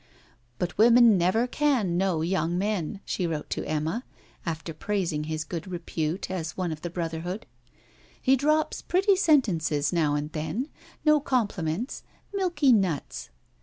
'But women never can know young men,' she wrote to Emma, after praising his good repute as one of the brotherhood. 'He drops pretty sentences now and then: no compliments; milky nuts.